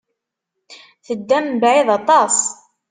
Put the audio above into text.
Teddam mebɛid aṭas.